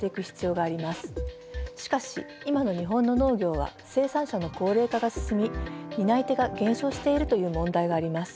しかし今の日本の農業は生産者の高齢化が進み担い手が減少しているという問題があります。